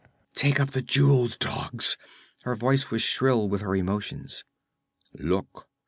'Take up the jewels, dogs!' her voice was shrill with her emotions. 'Look!'